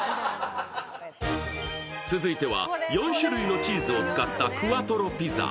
続いては４種類のチーズを使ったクワトロピザ。